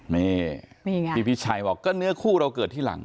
เนี่ยที่ปีชัยว่าก็เนื้อผู้เราเกิดที่หลัง